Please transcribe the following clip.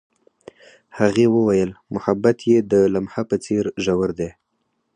هغې وویل محبت یې د لمحه په څېر ژور دی.